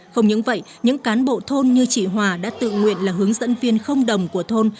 không những vậy những cán bộ thôn như chị hòa đã tự nguyện là hướng dẫn viên không đồng của thôn